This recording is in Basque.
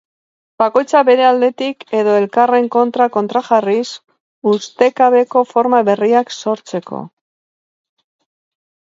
Bakoitza bere aldetik edo elkarren kontran kontrajarriz ustekabeko forma berriak sortzeko.